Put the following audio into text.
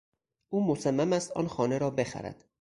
او مصمم است آن خانه را بخرد.